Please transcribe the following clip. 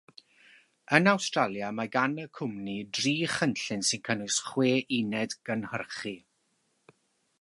Yn Awstralia, mae gan y Cwmni dri chynllun sy'n cynnwys chwe uned gynhyrchu.